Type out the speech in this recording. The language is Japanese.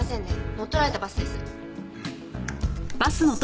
乗っ取られたバスです。